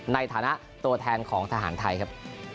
ในฐานะตัวแทนของทหารไทยครับ